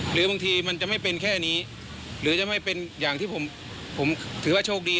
หรือบางทีมันจะไม่เป็นแค่นี้หรือจะไม่เป็นอย่างที่ผมถือว่าโชคดี